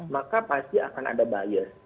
maka pasti akan ada bias